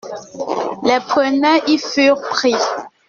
Les preneurs y furent pris.